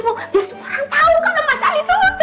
biar semua orang tau kan